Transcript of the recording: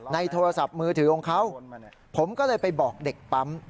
โทรศัพท์มือถือของเขาผมก็เลยไปบอกเด็กปั๊ม